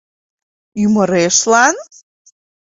Ӱмырешлан?..